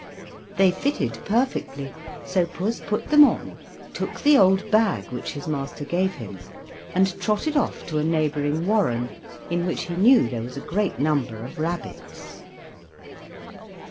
They fitted perfectly, so Puss put them on, took the old bag which his master gave him, and trotted off to a neighboring warren in which he knew there was a great number of rabbits.